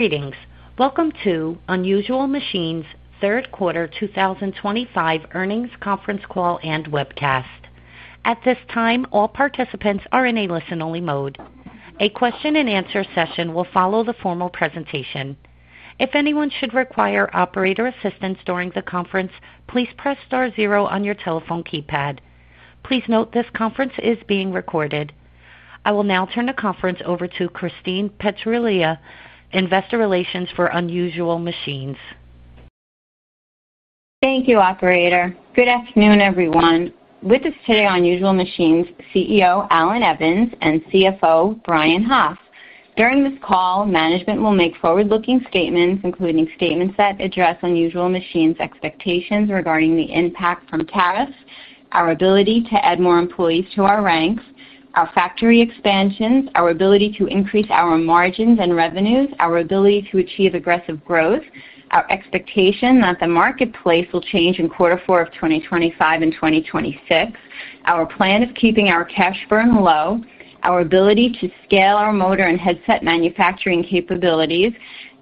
Greetings. Welcome to Unusual Machines' third quarter 2025 earnings conference call and webcast. At this time, all participants are in a listen-only mode. A question-and-answer session will follow the formal presentation. If anyone should require operator assistance during the conference, please press star zero on your telephone keypad. Please note this conference is being recorded. I will now turn the conference over to Christine Petraglia, Investor Relations for Unusual Machines. Thank you, Operator. Good afternoon, everyone. With us today are Unusual Machines' CEO, Allan Evans, and CFO, Brian Hoff. During this call, management will make forward-looking statements, including statements that address Unusual Machines' expectations regarding the impact from tariffs, our ability to add more employees to our ranks, our factory expansions, our ability to increase our margins and revenues, our ability to achieve aggressive growth, our expectation that the marketplace will change in quarter four of 2025 and 2026, our plan of keeping our cash burn low, our ability to scale our motor and headset manufacturing capabilities,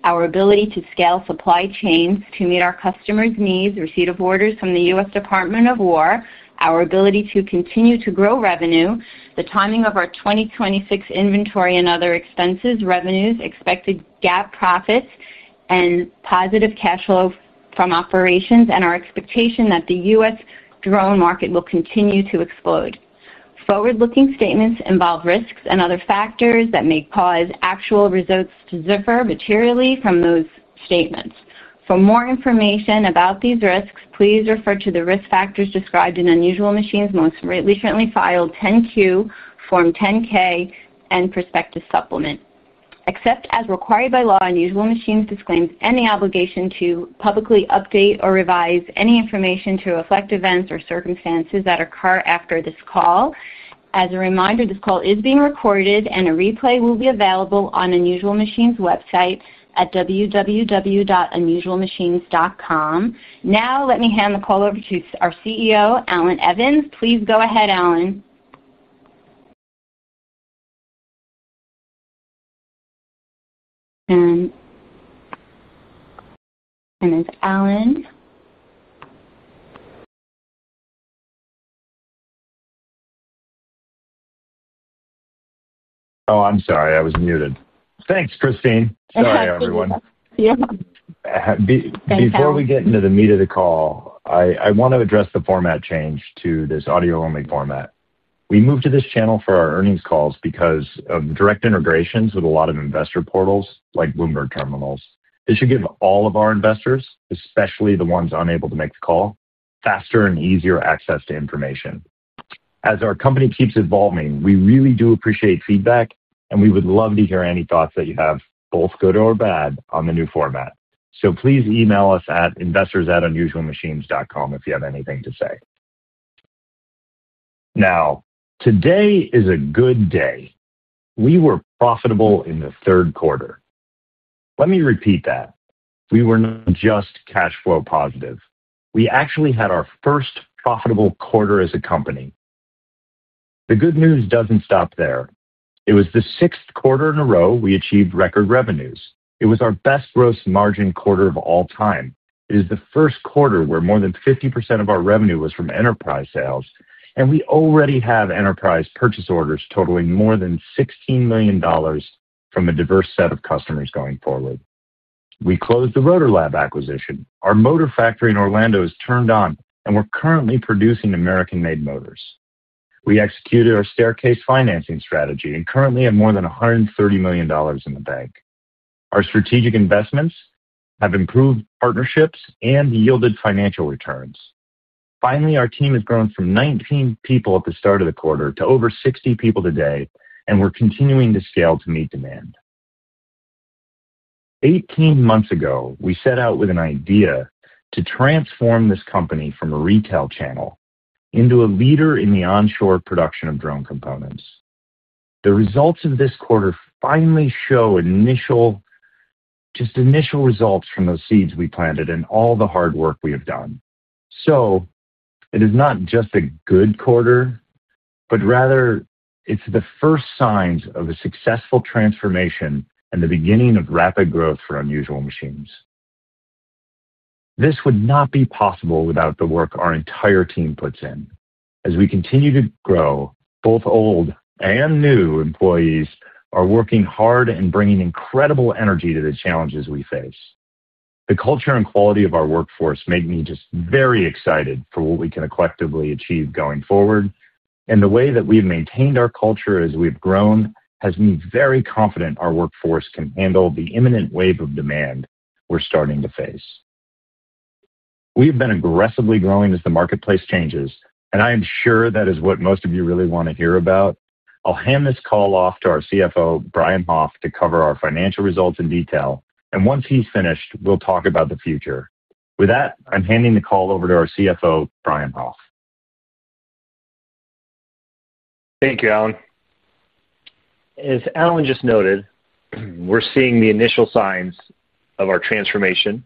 our ability to scale supply chains to meet our customers' needs, receipt of orders from the U.S. Department of War. Our ability to continue to grow revenue, the timing of our 2026 inventory and other expenses, revenues, expected GAAP profits, and positive cash flow from operations, and our expectation that the U.S. drone market will continue to explode. Forward-looking statements involve risks and other factors that may cause actual results to differ materially from those statements. For more information about these risks, please refer to the risk factors described in Unusual Machines' most recently filed 10Q, Form 10K, and prospective supplement. Except as required by law, Unusual Machines disclaims any obligation to publicly update or revise any information to reflect events or circumstances that occur after this call. As a reminder, this call is being recorded, and a replay will be available on Unusual Machines' website at www.unusualmachines.com. Now, let me hand the call over to our CEO, Allan Evans. Please go ahead, Allan. It's Allan. Oh, I'm sorry. I was muted. Thanks, Christine. Sorry, everyone. That's okay. Before we get into the meat of the call, I want to address the format change to this audio-only format. We moved to this channel for our earnings calls because of direct integrations with a lot of investor portals like Bloomberg Terminals. This should give all of our investors, especially the ones unable to make the call, faster and easier access to information. As our company keeps evolving, we really do appreciate feedback, and we would love to hear any thoughts that you have, both good or bad, on the new format. Please email us at investors@unusualmachines.com if you have anything to say. Now, today is a good day. We were profitable in the third quarter. Let me repeat that. We were not just cash flow positive. We actually had our first profitable quarter as a company. The good news does not stop there. It was the sixth quarter in a row we achieved record revenues. It was our best gross margin quarter of all time. It is the first quarter where more than 50% of our revenue was from enterprise sales, and we already have enterprise purchase orders totaling more than $16 million. From a diverse set of customers going forward. We closed the Rotor Lab acquisition. Our motor factory in Orlando is turned on, and we're currently producing American-made motors. We executed our staircase financing strategy and currently have more than $130 million in the bank. Our strategic investments have improved partnerships and yielded financial returns. Finally, our team has grown from 19 people at the start of the quarter to over 60 people today, and we're continuing to scale to meet demand. Eighteen months ago, we set out with an idea to transform this company from a retail channel into a leader in the onshore production of drone components. The results of this quarter finally show. Just initial results from those seeds we planted and all the hard work we have done. It is not just a good quarter, but rather it's the first signs of a successful transformation and the beginning of rapid growth for Unusual Machines. This would not be possible without the work our entire team puts in. As we continue to grow, both old and new employees are working hard and bringing incredible energy to the challenges we face. The culture and quality of our workforce make me just very excited for what we can collectively achieve going forward. The way that we've maintained our culture as we've grown has made me very confident our workforce can handle the imminent wave of demand we're starting to face. We have been aggressively growing as the marketplace changes, and I am sure that is what most of you really want to hear about. I'll hand this call off to our CFO, Brian Hoff, to cover our financial results in detail, and once he's finished, we'll talk about the future. With that, I'm handing the call over to our CFO, Brian Hoff. Thank you, Allan. As Allan just noted, we're seeing the initial signs of our transformation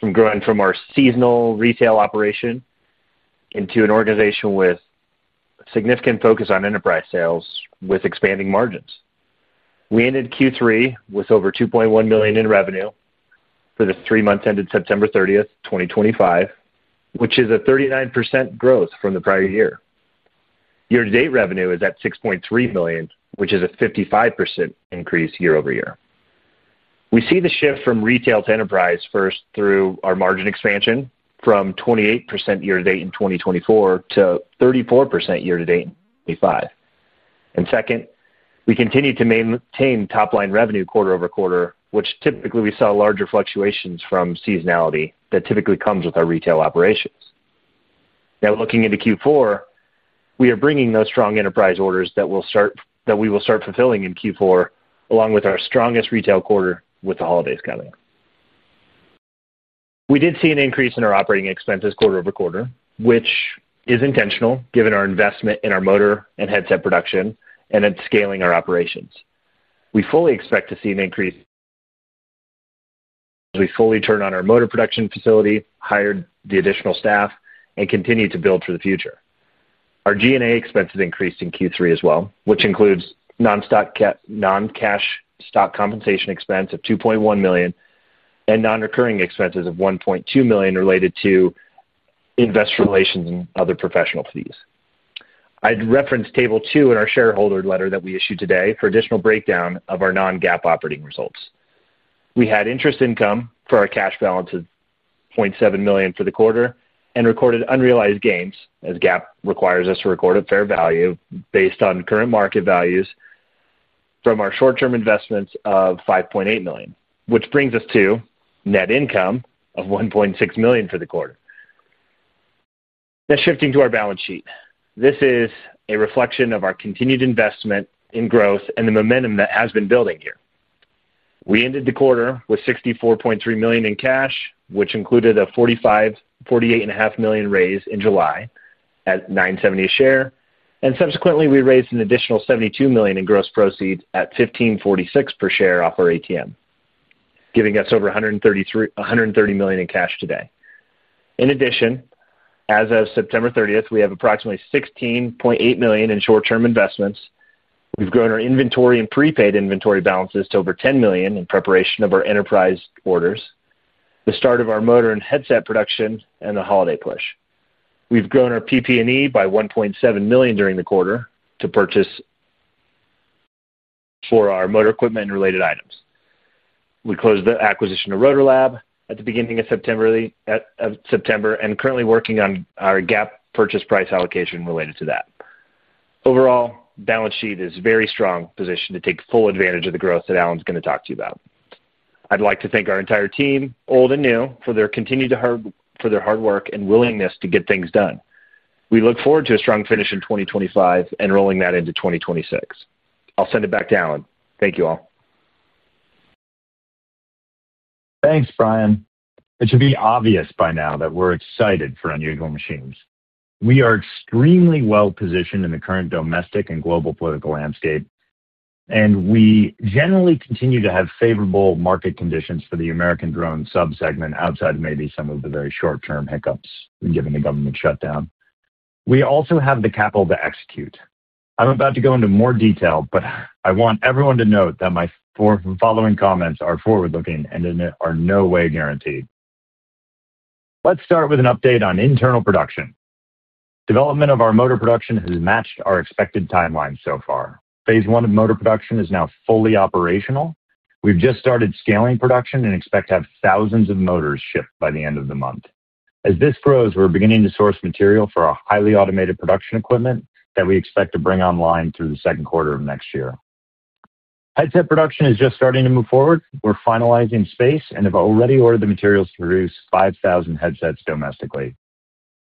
from growing from our seasonal retail operation into an organization with a significant focus on enterprise sales with expanding margins. We ended Q3 with over $2.1 million in revenue for the three months ended September 30th, 2025, which is a 39% growth from the prior year. Year-to-date revenue is at $6.3 million, which is a 55% increase year-over-year. We see the shift from retail to enterprise first through our margin expansion from 28% year-to-date in 2024 to 34% year-to-date in 2025. Second, we continue to maintain top-line revenue quarter-over-quarter, which typically we saw larger fluctuations from seasonality that typically comes with our retail operations. Now, looking into Q4, we are bringing those strong enterprise orders that we will start fulfilling in Q4, along with our strongest retail quarter with the holidays coming. We did see an increase in our operating expenses quarter over quarter, which is intentional given our investment in our motor and headset production and in scaling our operations. We fully expect to see an increase. As we fully turn on our motor production facility, hired the additional staff, and continue to build for the future. Our G&A expenses increased in Q3 as well, which includes non-cash stock compensation expense of $2.1 million and non-recurring expenses of $1.2 million related to investor relations and other professional fees. I'd reference table two in our shareholder letter that we issued today for additional breakdown of our non-GAAP operating results. We had interest income for our cash balance of $0.7 million for the quarter and recorded unrealized gains, as GAAP requires us to record at fair value based on current market values, from our short-term investments of $5.8 million, which brings us to net income of $1.6 million for the quarter. Now, shifting to our balance sheet, this is a reflection of our continued investment in growth and the momentum that has been building here. We ended the quarter with $64.3 million in cash, which included a $48.5 million raise in July at $9.70 a share. Subsequently, we raised an additional $72 million in gross proceeds at $15.46 per share off our ATM, giving us over $130 million in cash today. In addition, as of September 30th, we have approximately $16.8 million in short-term investments. We've grown our inventory and prepaid inventory balances to over $10 million in preparation of our enterprise orders, the start of our motor and headset production, and the holiday push. We've grown our PP&E by $1.7 million during the quarter to purchase for our motor equipment and related items. We closed the acquisition of Rotor Lab at the beginning of September. We are currently working on our GAAP purchase price allocation related to that. Overall, the balance sheet is very strong, positioned to take full advantage of the growth that Allan's going to talk to you about. I'd like to thank our entire team, old and new, for their continued hard work and willingness to get things done. We look forward to a strong finish in 2025 and rolling that into 2026. I'll send it back to Allan. Thank you all. Thanks, Brian. It should be obvious by now that we're excited for Unusual Machines. We are extremely well-positioned in the current domestic and global political landscape, and we generally continue to have favorable market conditions for the American drone subsegment outside of maybe some of the very short-term hiccups given the government shutdown. We also have the capital to execute. I'm about to go into more detail, but I want everyone to note that my following comments are forward-looking and are in no way guaranteed. Let's start with an update on internal production. Development of our motor production has matched our expected timeline so far. Phase one of motor production is now fully operational. We've just started scaling production and expect to have thousands of motors shipped by the end of the month. As this grows, we're beginning to source material for our highly automated production equipment that we expect to bring online through the second quarter of next year. Headset production is just starting to move forward. We're finalizing space and have already ordered the materials to produce 5,000 headsets domestically.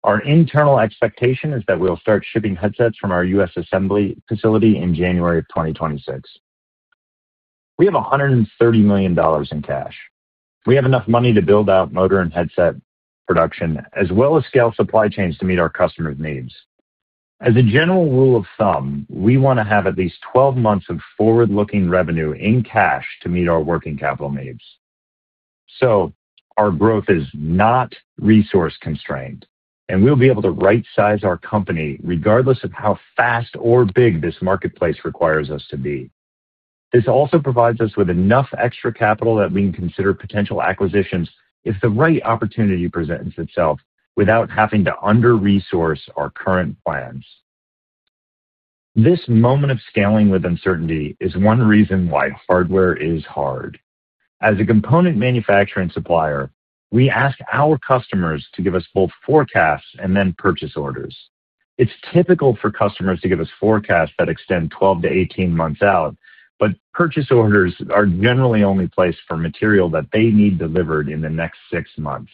Our internal expectation is that we'll start shipping headsets from our U.S. assembly facility in January of 2026. We have $130 million in cash. We have enough money to build out motor and headset production as well as scale supply chains to meet our customers' needs. As a general rule of thumb, we want to have at least 12 months of forward-looking revenue in cash to meet our working capital needs. Our growth is not resource-constrained, and we'll be able to right-size our company regardless of how fast or big this marketplace requires us to be. This also provides us with enough extra capital that we can consider potential acquisitions if the right opportunity presents itself without having to under-resource our current plans. This moment of scaling with uncertainty is one reason why hardware is hard. As a component manufacturer and supplier, we ask our customers to give us both forecasts and then purchase orders. It is typical for customers to give us forecasts that extend 12 months-18 months out, but purchase orders are generally only placed for material that they need delivered in the next six months.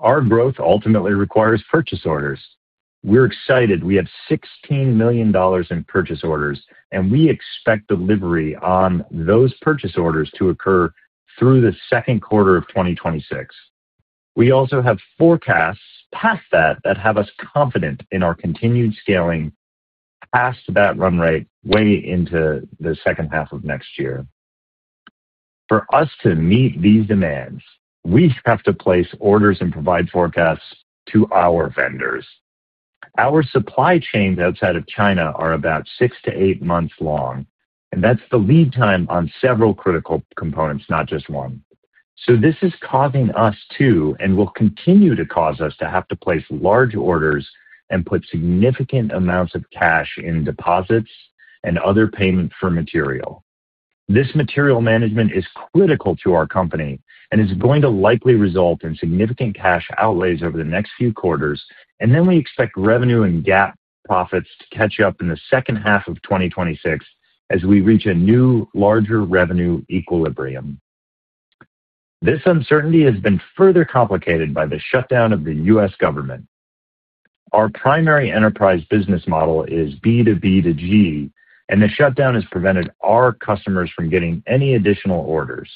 Our growth ultimately requires purchase orders. We are excited. We have $16 million in purchase orders, and we expect delivery on those purchase orders to occur through the second quarter of 2026. We also have forecasts past that that have us confident in our continued scaling. Past that run rate way into the second half of next year. For us to meet these demands, we have to place orders and provide forecasts to our vendors. Our supply chains outside of China are about six to eight months long, and that's the lead time on several critical components, not just one. This is causing us to, and will continue to cause us to have to place large orders and put significant amounts of cash in deposits and other payments for material. This material management is critical to our company and is going to likely result in significant cash outlays over the next few quarters. We expect revenue and GAAP profits to catch up in the second half of 2026 as we reach a new, larger revenue equilibrium. This uncertainty has been further complicated by the shutdown of the U.S. government. Our primary enterprise business model is B2B2G, and the shutdown has prevented our customers from getting any additional orders.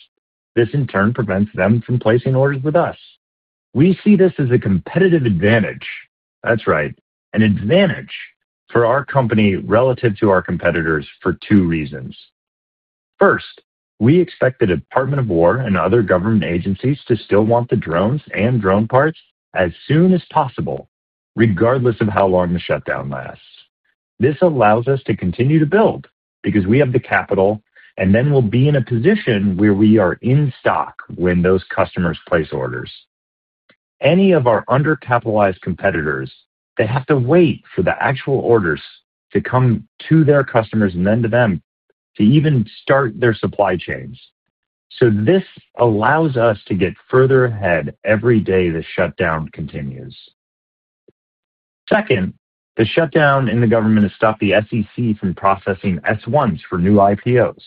This, in turn, prevents them from placing orders with us. We see this as a competitive advantage. That's right. An advantage for our company relative to our competitors for two reasons. First, we expect the Department of War and other government agencies to still want the drones and drone parts as soon as possible, regardless of how long the shutdown lasts. This allows us to continue to build because we have the capital, and then we'll be in a position where we are in stock when those customers place orders. Any of our undercapitalized competitors, they have to wait for the actual orders to come to their customers and then to them to even start their supply chains. This allows us to get further ahead every day the shutdown continues. Second, the shutdown in the government has stopped the SEC from processing S-1s for new IPOs.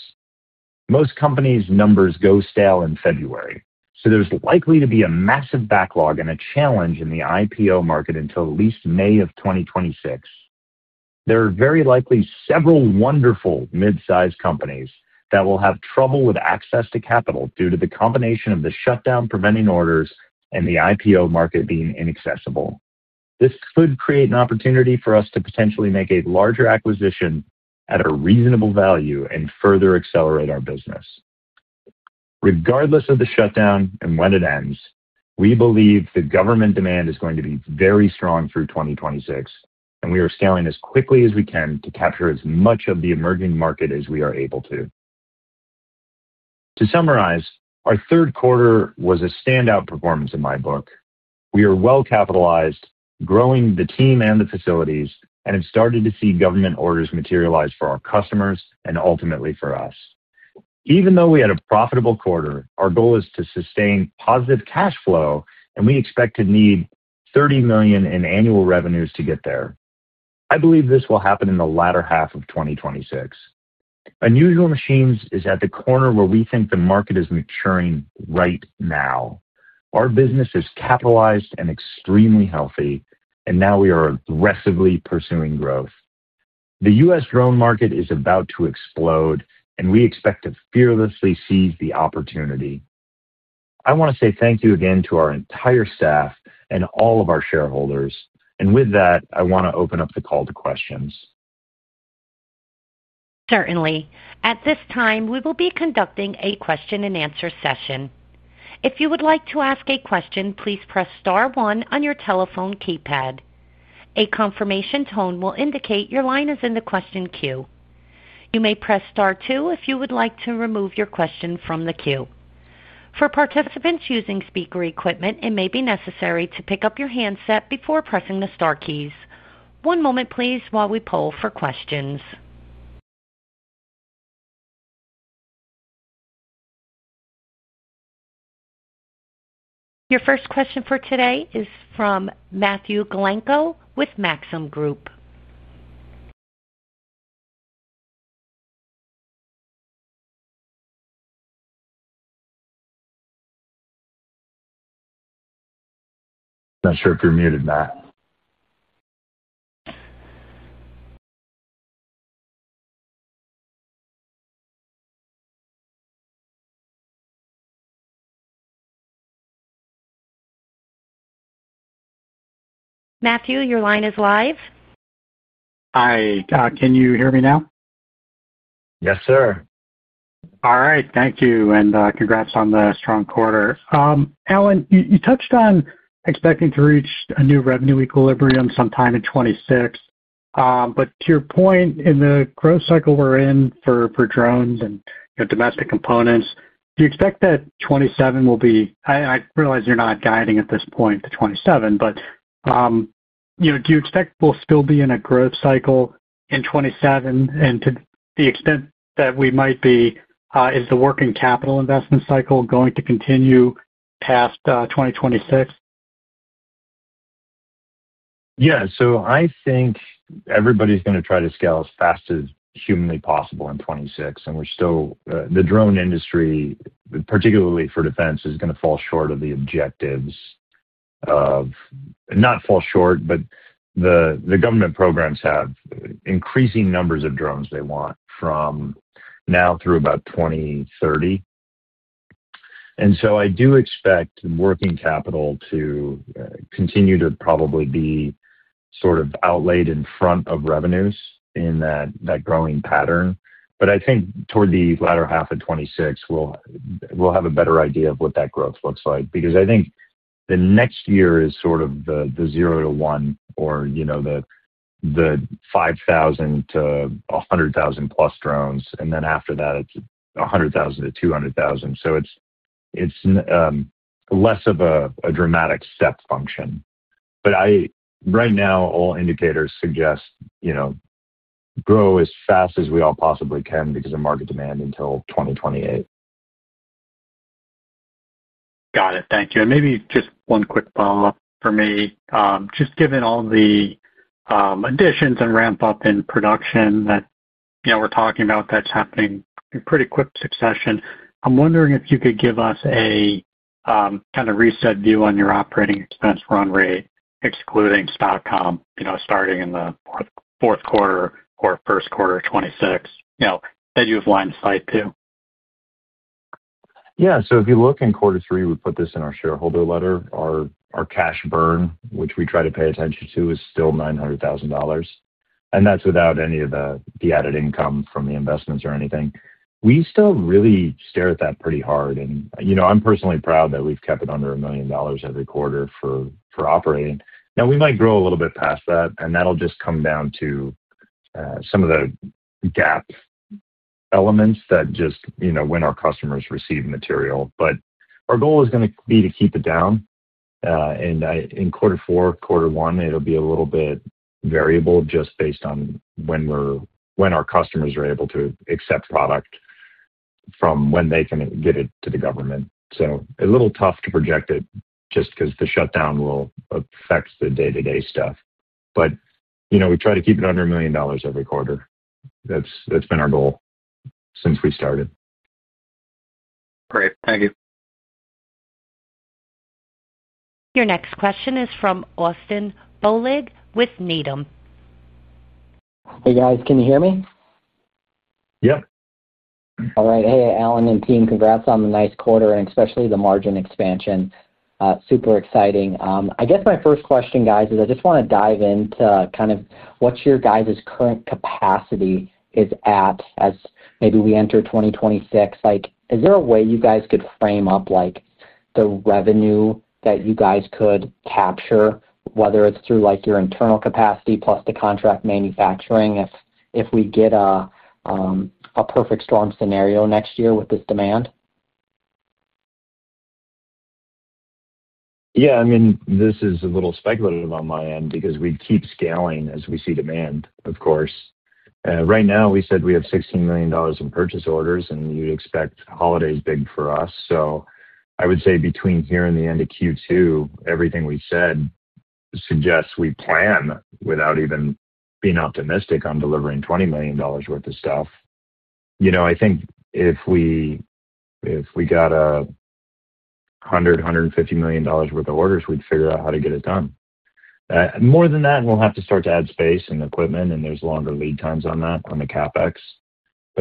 Most companies' numbers go stale in February, so there's likely to be a massive backlog and a challenge in the IPO market until at least May of 2026. There are very likely several wonderful midsize companies that will have trouble with access to capital due to the combination of the shutdown preventing orders and the IPO market being inaccessible. This could create an opportunity for us to potentially make a larger acquisition at a reasonable value and further accelerate our business. Regardless of the shutdown and when it ends, we believe the government demand is going to be very strong through 2026, and we are scaling as quickly as we can to capture as much of the emerging market as we are able to. To summarize, our third quarter was a standout performance in my book. We are well-capitalized, growing the team and the facilities, and have started to see government orders materialize for our customers and ultimately for us. Even though we had a profitable quarter, our goal is to sustain positive cash flow, and we expect to need $30 million in annual revenues to get there. I believe this will happen in the latter half of 2026. Unusual Machines is at the corner where we think the market is maturing right now. Our business is capitalized and extremely healthy, and now we are aggressively pursuing growth. The U.S. drone market is about to explode, and we expect to fearlessly seize the opportunity. I want to say thank you again to our entire staff and all of our shareholders. With that, I want to open up the call to questions. Certainly. At this time, we will be conducting a question-and-answer session. If you would like to ask a question, please press star one on your telephone keypad. A confirmation tone will indicate your line is in the question queue. You may press star two if you would like to remove your question from the queue. For participants using speaker equipment, it may be necessary to pick up your handset before pressing the star keys. One moment, please, while we poll for questions. Your first question for today is from Matthew Galinko with Maxim Group. Not sure if you're muted, Matt. Matthew, your line is live. Hi. Can you hear me now? Yes, sir. All right. Thank you. And congrats on the strong quarter. Allan, you touched on expecting to reach a new revenue equilibrium sometime in 2026. But to your point, in the growth cycle we're in for drones and domestic components, do you expect that 2027 will be—I realize you're not guiding at this point to 2027, but. Do you expect we'll still be in a growth cycle in 2027? And to the extent that we might be, is the working capital investment cycle going to continue past 2026? Yeah. I think everybody's going to try to scale as fast as humanly possible in 2026. We're still—the drone industry, particularly for defense, is going to fall short of the objectives of—not fall short, but the government programs have increasing numbers of drones they want from now through about 2030. I do expect working capital to continue to probably be sort of outlaid in front of revenues in that growing pattern. I think toward the latter half of 2026, we'll have a better idea of what that growth looks like because I think the next year is sort of the zero to one or the 5,000 to 100,000+ drones. After that, it's 100,000-200,000. It is less of a dramatic step function. Right now, all indicators suggest grow as fast as we all possibly can because of market demand until 2028. Got it. Thank you. Maybe just one quick follow-up for me. Just given all the additions and ramp-up in production that we're talking about that's happening in pretty quick succession, I'm wondering if you could give us a kind of reset view on your operating expense run rate, excluding stock comp, starting in the fourth quarter or first quarter of 2026 that you have line of sight to. Yeah. If you look in quarter three, we put this in our shareholder letter. Our cash burn, which we try to pay attention to, is still $900,000. That is without any of the added income from the investments or anything. We still really stare at that pretty hard. I'm personally proud that we've kept it under a million dollars every quarter for operating. We might grow a little bit past that, and that'll just come down to some of the GAAP elements that just when our customers receive material. Our goal is going to be to keep it down. In quarter four, quarter one, it'll be a little bit variable just based on when our customers are able to accept product from when they can get it to the government. A little tough to project it just because the shutdown will affect the day-to-day stuff. But we try to keep it under $1 million every quarter. That's been our goal since we started. Great. Thank you. Your next question is from Austin Bohlig with Needham. Hey, guys. Can you hear me? Yep. All right. Hey, Allan and team. Congrats on the nice quarter and especially the margin expansion. Super exciting. I guess my first question, guys, is I just want to dive into kind of what your guys' current capacity is at as maybe we enter 2026. Is there a way you guys could frame up the revenue that you guys could capture, whether it's through your internal capacity plus the contract manufacturing, if we get a perfect storm scenario next year with this demand? Yeah. I mean, this is a little speculative on my end because we keep scaling as we see demand, of course. Right now, we said we have $16 million in purchase orders, and you'd expect holidays big for us. I would say between here and the end of Q2, everything we said suggests we plan without even being optimistic on delivering $20 million worth of stuff. I think if we got a $100 million, $150 million worth of orders, we'd figure out how to get it done. More than that, we'll have to start to add space and equipment, and there's longer lead times on that on the CapEx.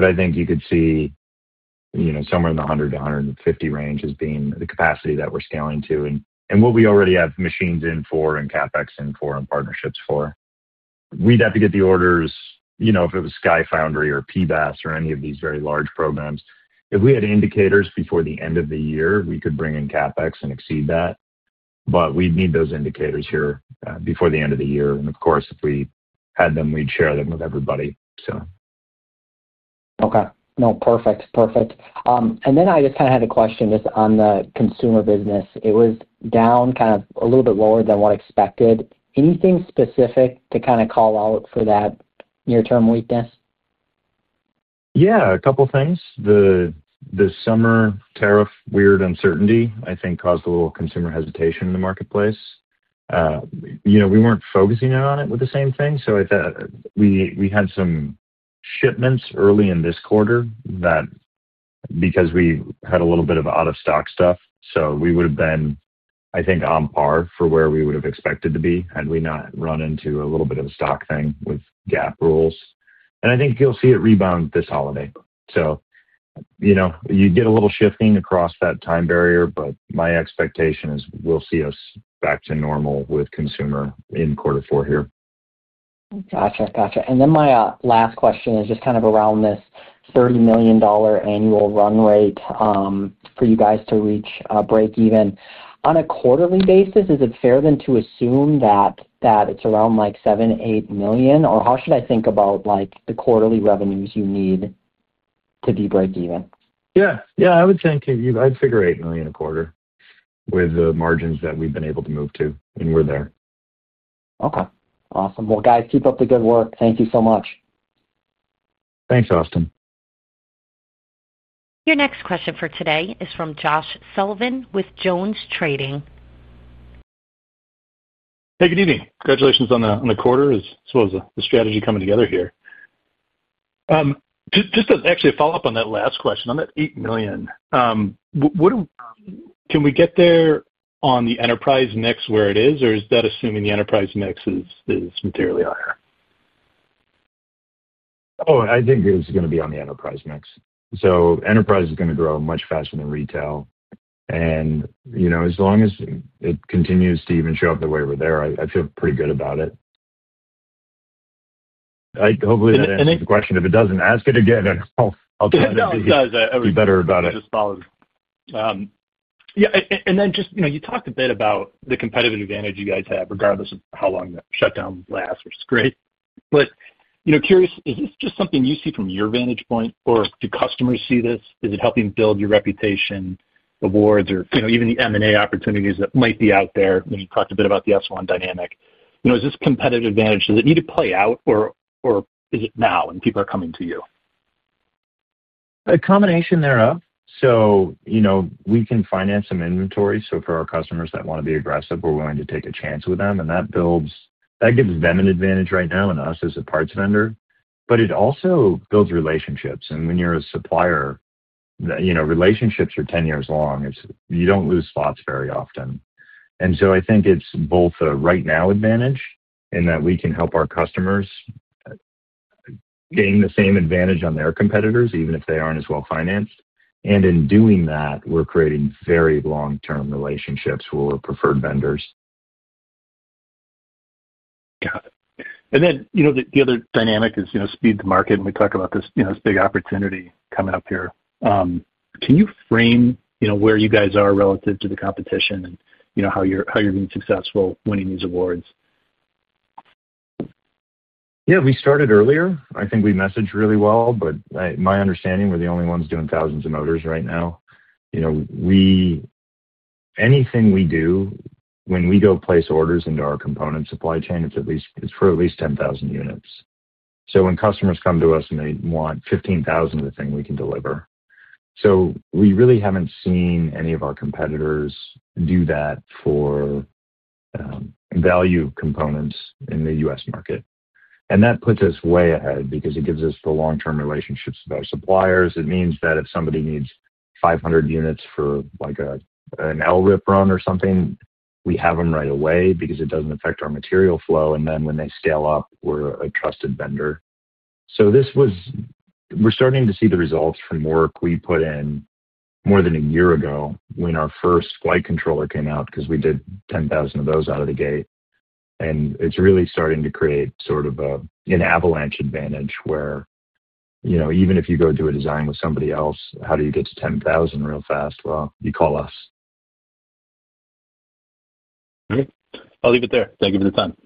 I think you could see somewhere in the $100 million-$150 million range as being the capacity that we're scaling to and what we already have machines in for and CapEx in for and partnerships for. We'd have to get the orders if it was Sky Foundry or PBAS or any of these very large programs. If we had indicators before the end of the year, we could bring in CapEx and exceed that. We'd need those indicators here before the end of the year. Of course, if we had them, we'd share them with everybody, so. Okay. No, perfect. Perfect. I just kind of had a question just on the consumer business. It was down kind of a little bit lower than what expected. Anything specific to kind of call out for that near-term weakness? Yeah. A couple of things. The summer tariff weird uncertainty, I think, caused a little consumer hesitation in the marketplace. We were not focusing on it with the same thing. We had some shipments early in this quarter that, because we had a little bit of out-of-stock stuff. We would have been, I think, on par for where we would have expected to be had we not run into a little bit of a stock thing with GAAP rules. I think you will see it rebound this holiday. You get a little shifting across that time barrier, but my expectation is we will see us back to normal with consumer in quarter four here. Gotcha. Gotcha. My last question is just kind of around this $30 million annual run rate for you guys to reach a break-even. On a quarterly basis, is it fair then to assume that it's around like $7 million, $8 million? Or how should I think about the quarterly revenues you need to be break-even? Yeah. Yeah. I would say I'd figure $8 million a quarter with the margins that we've been able to move to. And we're there. Okay. Awesome. Guys, keep up the good work. Thank you so much. Thanks, Austin. Your next question for today is from Josh Sullivan with JonesTrading. Hey, good evening. Congratulations on the quarter. I suppose the strategy coming together here. Just to actually follow up on that last question, on that $8 million. Can we get there on the enterprise mix where it is, or is that assuming the enterprise mix is materially higher? Oh, I think it's going to be on the enterprise mix. Enterprise is going to grow much faster than retail. As long as it continues to even show up the way we're there, I feel pretty good about it. Hopefully, the answer to the question, if it doesn't, ask it again, and I'll try to be better about it. Yeah. You talked a bit about the competitive advantage you guys have regardless of how long the shutdown lasts, which is great. Curious, is this just something you see from your vantage point, or do customers see this? Is it helping build your reputation, awards, or even the M&A opportunities that might be out there? You talked a bit about the S1 dynamic. Is this competitive advantage? Does it need to play out, or is it now and people are coming to you? A combination thereof. We can finance some inventory. For our customers that want to be aggressive, we're willing to take a chance with them. That gives them an advantage right now and us as a parts vendor. It also builds relationships. When you're a supplier, relationships are 10 years long. You don't lose spots very often. I think it's both a right-now advantage in that we can help our customers gain the same advantage on their competitors, even if they aren't as well-financed. In doing that, we're creating very long-term relationships where we're preferred vendors. Got it. The other dynamic is speed to market. We talk about this big opportunity coming up here. Can you frame where you guys are relative to the competition and how you're being successful winning these awards? Yeah. We started earlier. I think we messaged really well. But my understanding, we're the only ones doing thousands of motors right now. Anything we do, when we go place orders into our component supply chain, it's for at least 10,000 units. So when customers come to us and they want 15,000 of a thing, we can deliver. We really haven't seen any of our competitors do that for value components in the U.S. market. That puts us way ahead because it gives us the long-term relationships with our suppliers. It means that if somebody needs 500 units for an LRIP run or something, we have them right away because it doesn't affect our material flow. When they scale up, we're a trusted vendor. We're starting to see the results from work we put in more than a year ago when our first flight controller came out because we did 10,000 of those out of the gate. It is really starting to create sort of an avalanche advantage where, even if you go do a design with somebody else, how do you get to 10,000 real fast? You call us. All right. I'll leave it there. Thank you for the time.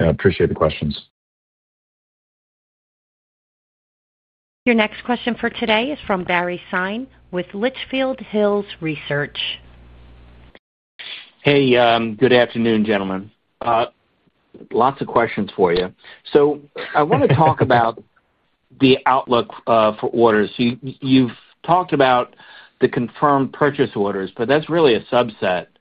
I appreciate the questions. Your next question for today is from Barry Sine with Litchfield Hills Research. Hey. Good afternoon, gentlemen. Lots of questions for you. I want to talk about the outlook for orders. You've talked about the confirmed purchase orders, but that's really a subset of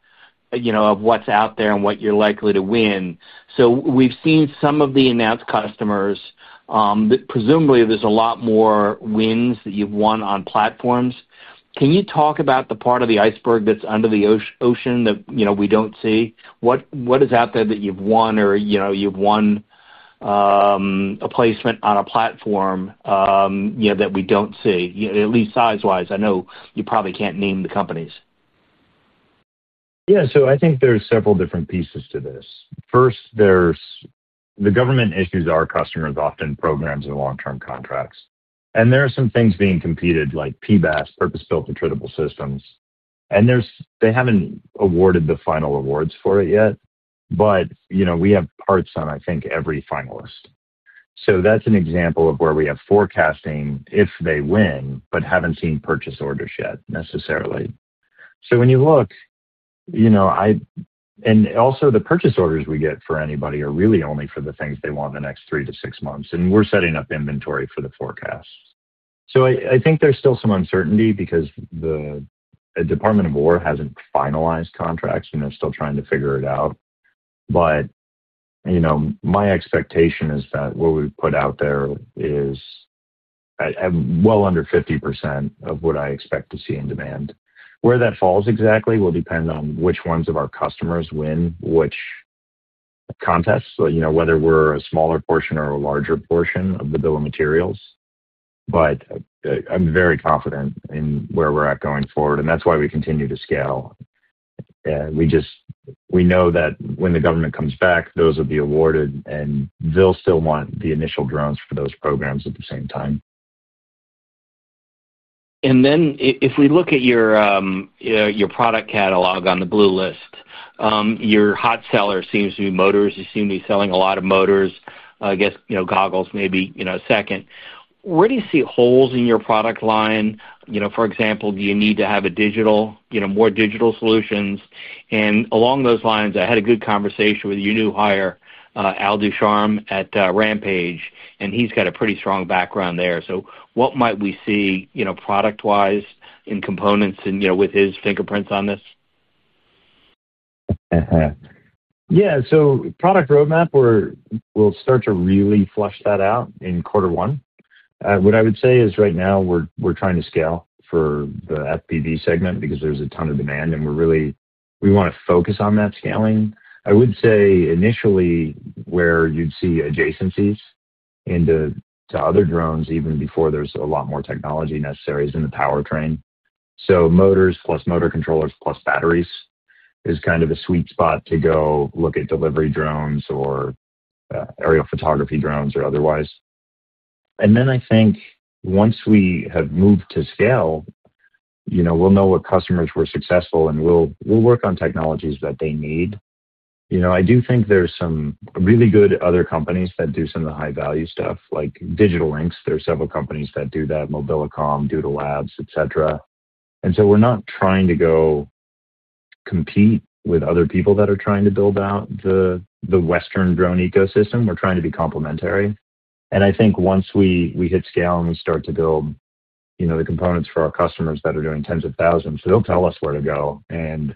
what's out there and what you're likely to win. We've seen some of the announced customers. Presumably, there's a lot more wins that you've won on platforms. Can you talk about the part of the iceberg that's under the ocean that we don't see? What is out there that you've won or you've won a placement on a platform that we don't see, at least size-wise? I know you probably can't name the companies. Yeah. I think there's several different pieces to this. First, the government issues our customers often programs and long-term contracts. There are some things being competed like PBAS, purpose-built attritable systems. They haven't awarded the final awards for it yet. We have parts on, I think, every finalist. That's an example of where we have forecasting if they win but haven't seen purchase orders yet necessarily. When you look, also, the purchase orders we get for anybody are really only for the things they want the next three to six months. We're setting up inventory for the forecast. I think there's still some uncertainty because the Department of War hasn't finalized contracts, and they're still trying to figure it out. My expectation is that what we put out there is. Under 50% of what I expect to see in demand. Where that falls exactly will depend on which ones of our customers win which contests, whether we're a smaller portion or a larger portion of the bill of materials. I'm very confident in where we're at going forward. That's why we continue to scale. We know that when the government comes back, those will be awarded, and they'll still want the initial drones for those programs at the same time. If we look at your product catalog on the blue list, your hot seller seems to be motors. You seem to be selling a lot of motors. I guess goggles may be a second. Where do you see holes in your product line? For example, do you need to have more digital solutions? Along those lines, I had a good conversation with your new hire, Al Ducharme, at Rampage. He has got a pretty strong background there. What might we see product-wise in components and with his fingerprints on this? Yeah. Product roadmap, we'll start to really flush that out in quarter one. What I would say is right now, we're trying to scale for the FPV segment because there's a ton of demand. We want to focus on that scaling. I would say initially, where you'd see adjacencies into other drones, even before there's a lot more technology necessary, is in the powertrain. Motors plus motor controllers plus batteries is kind of a sweet spot to go look at delivery drones or aerial photography drones or otherwise. I think once we have moved to scale, we'll know what customers were successful, and we'll work on technologies that they need. I do think there's some really good other companies that do some of the high-value stuff like Digital Lynx. There are several companies that do that: Mobilicom, Doodle Labs, etc. We're not trying to go compete with other people that are trying to build out the Western drone ecosystem. We're trying to be complementary. I think once we hit scale and we start to build the components for our customers that are doing tens of thousands, they'll tell us where to go, and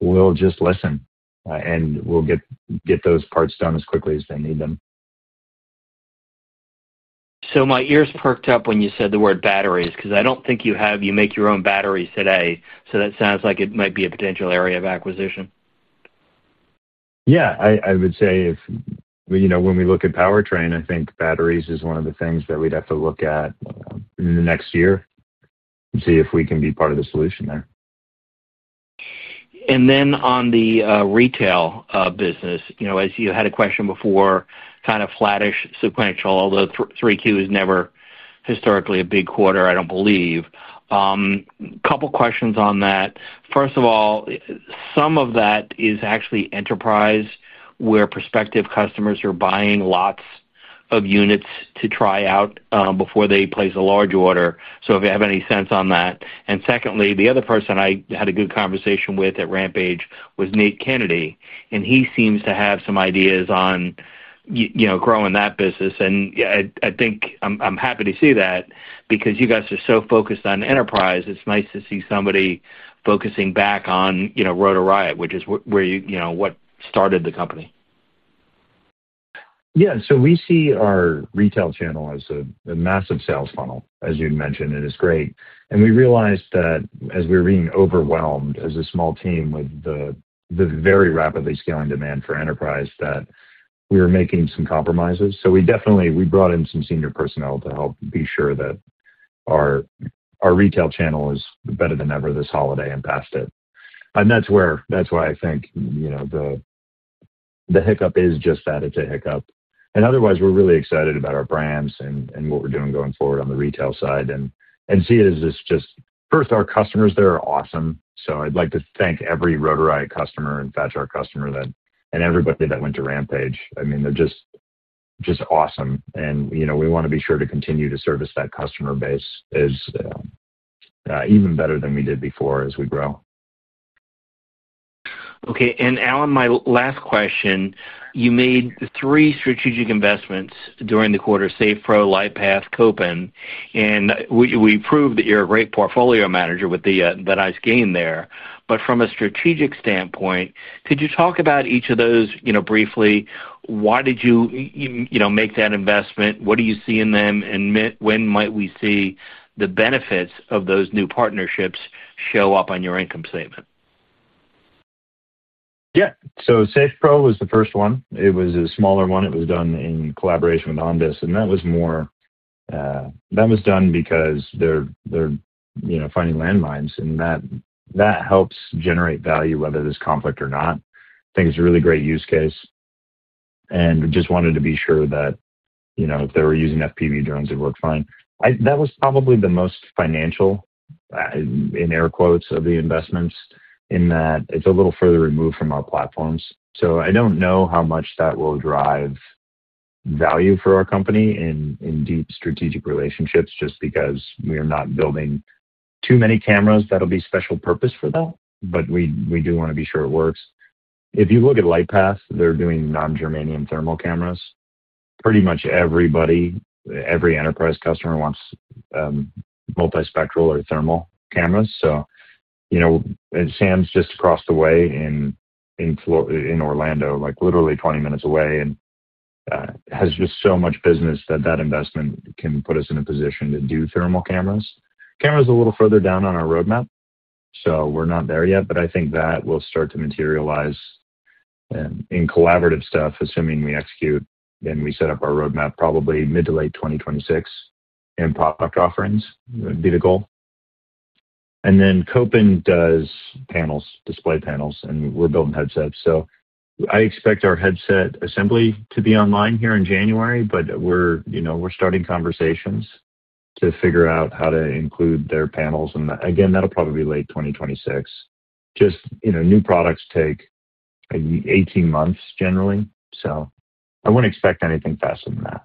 we'll just listen. We'll get those parts done as quickly as they need them. My ears perked up when you said the word batteries because I don't think you make your own batteries today. That sounds like it might be a potential area of acquisition. Yeah. I would say. When we look at powertrain, I think batteries is one of the things that we'd have to look at in the next year. And see if we can be part of the solution there. On the retail business, as you had a question before, kind of flattish sequential, although 3Q is never historically a big quarter, I don't believe. A couple of questions on that. First of all, some of that is actually enterprise where prospective customers are buying lots of units to try out before they place a large order. If you have any sense on that. Secondly, the other person I had a good conversation with at Rampage was Nate Kennedy. He seems to have some ideas on growing that business. I think I'm happy to see that because you guys are so focused on enterprise, it's nice to see somebody focusing back on Rotor Riot, which is what started the company. Yeah. We see our retail channel as a massive sales funnel, as you mentioned, and it's great. We realized that as we were being overwhelmed as a small team with the very rapidly scaling demand for enterprise, we were making some compromises. We brought in some senior personnel to help be sure that our retail channel is better than ever this holiday and past it. I think the hiccup is just that, it's a hiccup. Otherwise, we're really excited about our brands and what we're doing going forward on the retail side and see it as just first, our customers there are awesome. I'd like to thank every Rotor Riot customer and Fat Shark customer and everybody that went to Rampage. I mean, they're just awesome. We want to be sure to continue to service that customer base as. Even better than we did before as we grow. Okay. And Allan, my last question. You made three strategic investments during the quarter: Safe Pro, LightPath, Kopin. And we proved that you're a great portfolio manager with that ice game there. From a strategic standpoint, could you talk about each of those briefly? Why did you make that investment? What do you see in them? When might we see the benefits of those new partnerships show up on your income statement? Yeah. Safe Pro was the first one. It was a smaller one. It was done in collaboration with Ondas. That was more. That was done because they are finding landmines. That helps generate value, whether there is conflict or not. I think it is a really great use case. We just wanted to be sure that if they were using FPV drones, it worked fine. That was probably the most financial, in air quotes, of the investments in that it is a little further removed from our platforms. I do not know how much that will drive value for our company in deep strategic relationships just because we are not building too many cameras that will be special purpose for that. We do want to be sure it works. If you look at LightPath, they are doing non-germanium thermal cameras. Pretty much everybody, every enterprise customer, wants multi-spectral or thermal cameras. Sam's just across the way in Orlando, literally 20 minutes away, and has just so much business that that investment can put us in a position to do thermal cameras. Camera's a little further down on our roadmap. We're not there yet. I think that will start to materialize in collaborative stuff, assuming we execute and we set up our roadmap, probably mid to late 2026 in product offerings would be the goal. Kopin does panels, display panels, and we're building headsets. I expect our headset assembly to be online here in January, but we're starting conversations to figure out how to include their panels. That'll probably be late 2026. New products take 18 months generally. I wouldn't expect anything faster than that.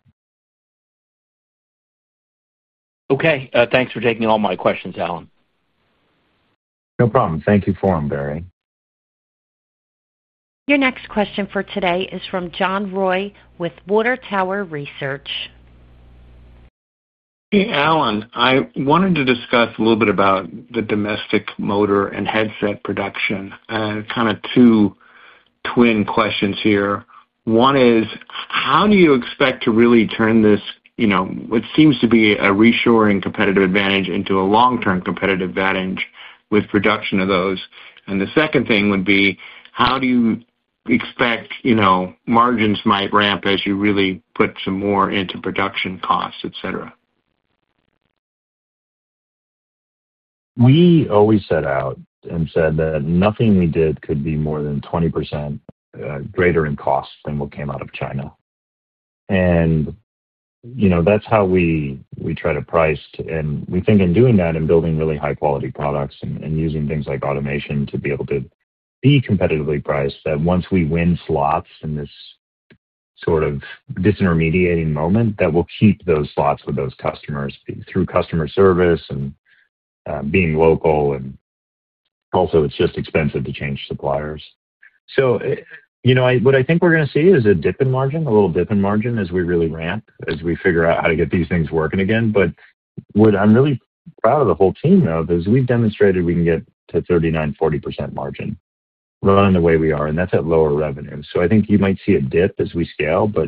Okay. Thanks for taking all my questions, Allan. No problem. Thank you for them, Barry. Your next question for today is from John Roy with Water Tower Research. Hey, Allan. I wanted to discuss a little bit about the domestic motor and headset production. Kind of two twin questions here. One is, how do you expect to really turn this, what seems to be a reshoring competitive advantage, into a long-term competitive advantage with production of those? The second thing would be, how do you expect margins might ramp as you really put some more into production costs, etc.? We always set out and said that nothing we did could be more than 20% greater in cost than what came out of China. That is how we try to price. We think in doing that and building really high-quality products and using things like automation to be able to be competitively priced, that once we win slots in this sort of disintermediating moment, we will keep those slots with those customers through customer service and being local. Also, it is just expensive to change suppliers. What I think we are going to see is a dip in margin, a little dip in margin as we really ramp, as we figure out how to get these things working again. What I am really proud of the whole team for is we have demonstrated we can get to 39%-40% margin running the way we are. That is at lower revenue. I think you might see a dip as we scale, but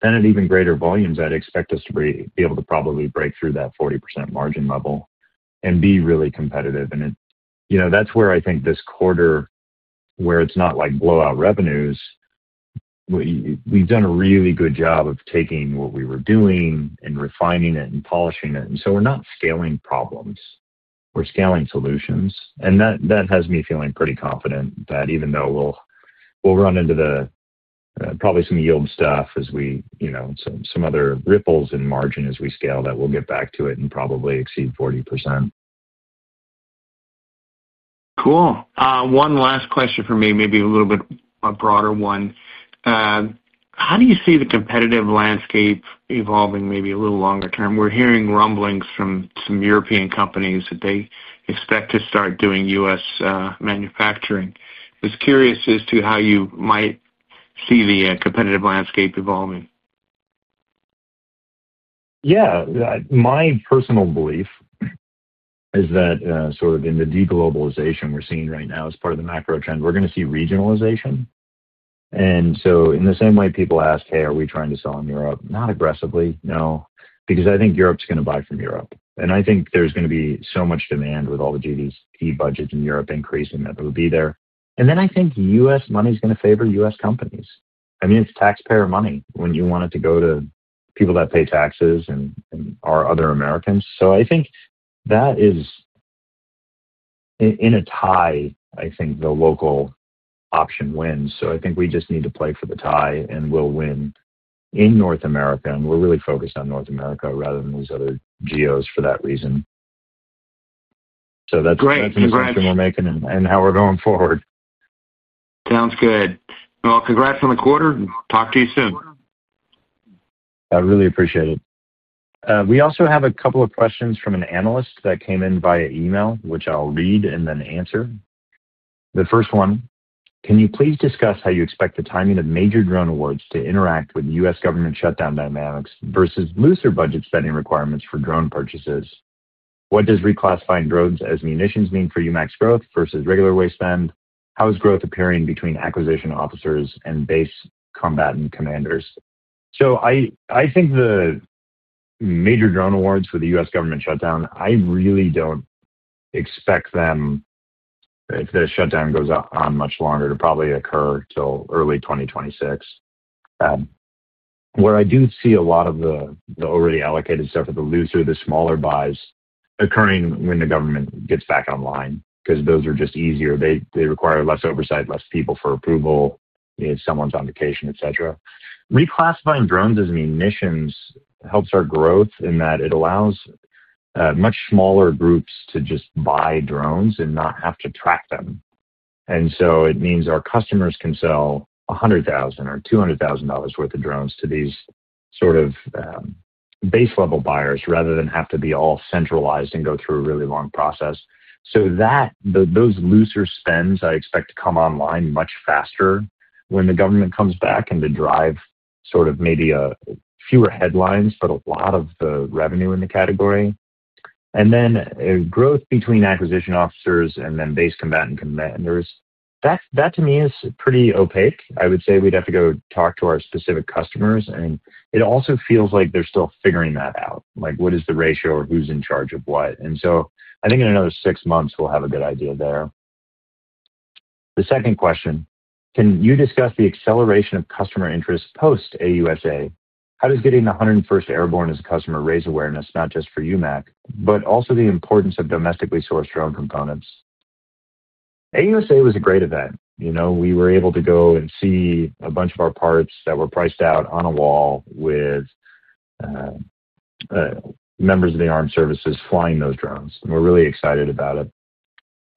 then at even greater volumes, I'd expect us to be able to probably break through that 40% margin level and be really competitive. That is where I think this quarter, where it's not like blowout revenues. We've done a really good job of taking what we were doing and refining it and polishing it. We are not scaling problems. We are scaling solutions. That has me feeling pretty confident that even though we'll run into probably some yield stuff as we, some other ripples in margin as we scale, we'll get back to it and probably exceed 40%. Cool. One last question for me, maybe a little bit a broader one. How do you see the competitive landscape evolving maybe a little longer term? We're hearing rumblings from some European companies that they expect to start doing U.S. manufacturing. I was curious as to how you might see the competitive landscape evolving. Yeah. My personal belief is that sort of in the deglobalization we're seeing right now as part of the macro trend, we're going to see regionalization. In the same way people ask, "Hey, are we trying to sell in Europe?" Not aggressively, no, because I think Europe is going to buy from Europe. I think there's going to be so much demand with all the GDP budgets in Europe increasing that it will be there. I think U.S. money is going to favor U.S. companies. I mean, it's taxpayer money when you want it to go to people that pay taxes and are other Americans. I think that is, in a tie, I think the local option wins. I think we just need to play for the tie, and we'll win in North America. We're really focused on North America rather than these other geos for that reason. So that's an assumption we're making and how we're going forward. Sounds good. Congrats on the quarter. Talk to you soon. I really appreciate it. We also have a couple of questions from an analyst that came in via email, which I'll read and then answer. The first one, can you please discuss how you expect the timing of major drone awards to interact with U.S. government shutdown dynamics versus looser budget spending requirements for drone purchases? What does reclassifying drones as munitions mean for UMAC's growth versus regular wasteland? How is growth appearing between acquisition officers and base combatant commanders? I think the major drone awards for the U.S. government shutdown, I really do not expect them, if the shutdown goes on much longer, to probably occur until early 2026. Where I do see a lot of the already allocated stuff at the looser, the smaller buys occurring when the government gets back online because those are just easier. They require less oversight, less people for approval. Someone's on vacation, etc. Reclassifying drones as munitions helps our growth in that it allows much smaller groups to just buy drones and not have to track them. It means our customers can sell $100,000 or $200,000 worth of drones to these sort of base-level buyers rather than have to be all centralized and go through a really long process. Those looser spends I expect to come online much faster when the government comes back and to drive sort of maybe fewer headlines for a lot of the revenue in the category. Growth between acquisition officers and then base combatant commanders, that, to me, is pretty opaque. I would say we'd have to go talk to our specific customers. It also feels like they're still figuring that out. What is the ratio or who's in charge of what? I think in another six months, we'll have a good idea there. The second question, can you discuss the acceleration of customer interest post AUSA? How does getting the 101st Airborne as a customer raise awareness, not just for UMAC, but also the importance of domestically sourced drone components? AUSA was a great event. We were able to go and see a bunch of our parts that were priced out on a wall with members of the armed services flying those drones. We're really excited about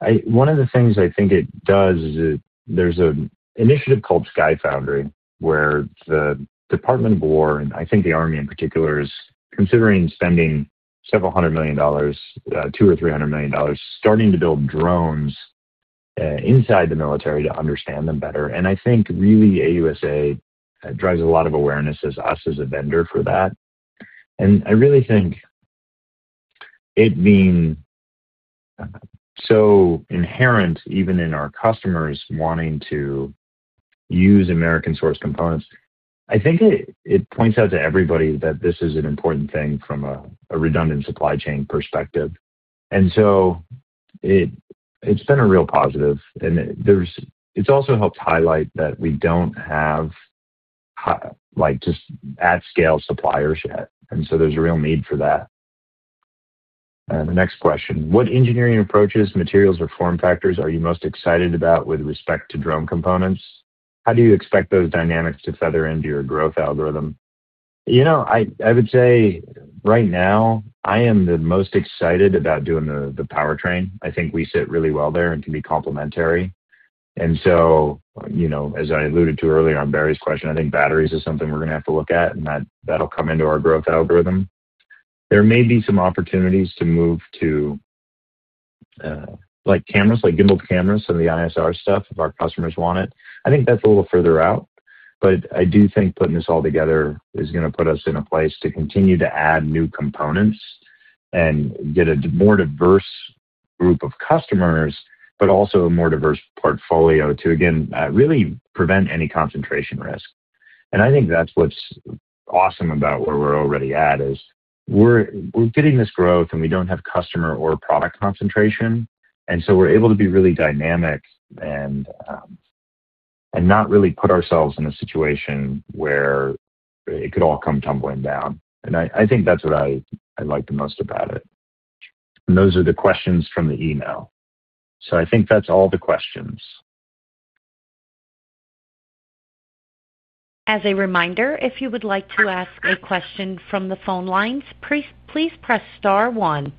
it. One of the things I think it does is there's an initiative called Sky Foundry where the Department of War and I think the Army in particular is considering spending several hundred million, $200 million or $300 million starting to build drones inside the military to understand them better. I think really AUSA drives a lot of awareness as us as a vendor for that. I really think it being so inherent even in our customers wanting to use American-sourced components, I think it points out to everybody that this is an important thing from a redundant supply chain perspective. It has been a real positive. It has also helped highlight that we do not have just at-scale suppliers yet, and there is a real need for that. The next question, what engineering approaches, materials, or form factors are you most excited about with respect to drone components? How do you expect those dynamics to feather into your growth algorithm? I would say right now, I am the most excited about doing the powertrain. I think we sit really well there and can be complementary. As I alluded to earlier on Barry's question, I think batteries is something we're going to have to look at, and that'll come into our growth algorithm. There may be some opportunities to move to cameras, like gimbal cameras and the ISR stuff if our customers want it. I think that's a little further out. I do think putting this all together is going to put us in a place to continue to add new components and get a more diverse group of customers, but also a more diverse portfolio to, again, really prevent any concentration risk. I think that's what's awesome about where we're already at is we're getting this growth, and we don't have customer or product concentration. We're able to be really dynamic and not really put ourselves in a situation where it could all come tumbling down. I think that's what I like the most about it. Those are the questions from the email. I think that's all the questions. As a reminder, if you would like to ask a question from the phone lines, please press star one.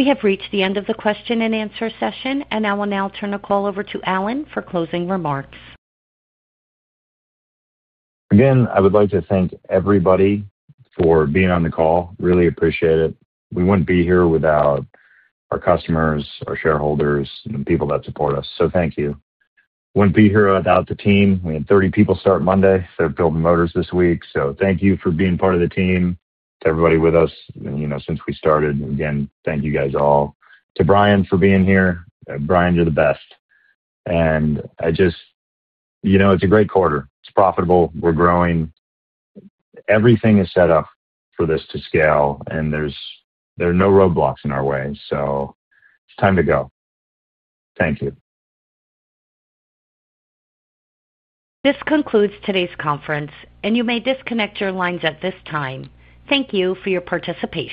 We have reached the end of the question and answer session, and I will now turn the call over to Allan for closing remarks. Again, I would like to thank everybody for being on the call. Really appreciate it. We wouldn't be here without our customers, our shareholders, and people that support us. Thank you. Wouldn't be here without the team. We had 30 people start Monday. They're building motors this week. Thank you for being part of the team, to everybody with us since we started. Again, thank you guys all. To Brian for being here. Brian, you're the best. It's a great quarter. It's profitable. We're growing. Everything is set up for this to scale, and there are no roadblocks in our way. It's time to go. Thank you. This concludes today's conference, and you may disconnect your lines at this time. Thank you for your participation.